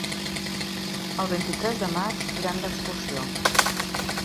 El vint-i-tres de maig iran d'excursió.